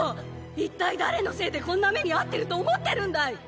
一体誰のせいでこんな目に遭ってると思ってるんだい！